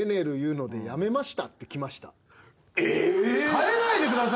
変えないでください